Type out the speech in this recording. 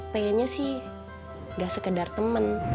pengennya sih gak sekedar temen